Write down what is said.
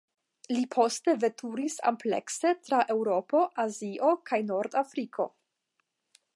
Li poste veturis amplekse, tra Eŭropo, Azio kaj Nordafriko.